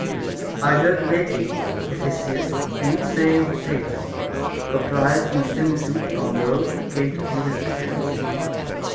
1. I heard lately, Caphisias, a neat saying of a painter, comprised in a similitude upon those that came to view his pictures.